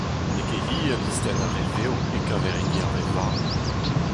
N'eo ket hir listenn ar re vev e-keñver hini ar re varv.